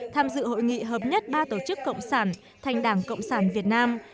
tham dự hội nghị hợp nhất ba tổ chức cộng sản thành đảng cộng sản việt nam